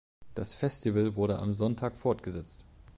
Das Festival wurde am Sonntag fortgesetzt.